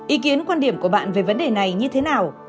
ý kiến quan điểm của bạn về vấn đề này như thế nào